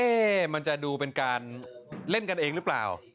มันจะดูเป็นการเล่นกันเองหรือเปล่า